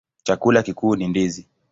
Chakula kikuu ni ndizi.